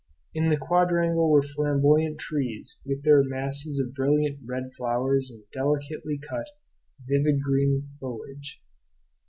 In the quadrangle were flamboyant trees, with their masses of brilliant red flowers and delicately cut, vivid green foliage.